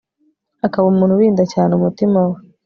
akaba umuntu urinda cyane umutima we